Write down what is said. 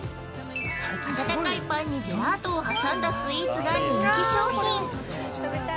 温かいパンにジェラートを挟んだスイーツが人気商品。